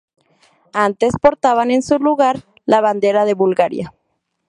Antes portaban en ese lugar la bandera de Bulgaria.